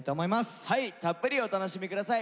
はいたっぷりお楽しみ下さい。